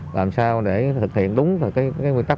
làm sao để thực hiện đúng cái nguyên tắc